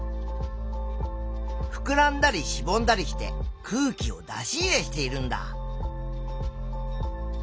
ふくらんだりしぼんだりして空気を出し入れしているんだ。